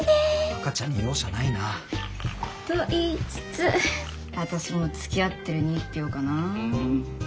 赤ちゃんに容赦ないな。と言いつつ私もつきあってるに１票かな。